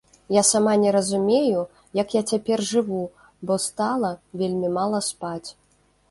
Я сама не разумею, як я цяпер жыву, бо стала вельмі мала спаць.